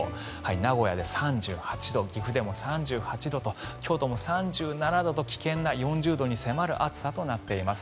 名古屋で３８度岐阜でも３８度と京都も３７度と危険な４０度に迫る暑さとなっています。